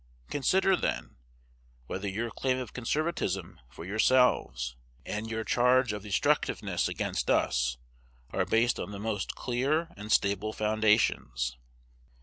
Consider, then, whether your claim of conservatism for yourselves, and your charge of destructiveness against us, are based on the most clear and stable foundations.